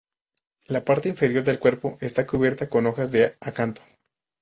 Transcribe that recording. La parte inferior del cuerpo está cubierta con hojas de acanto.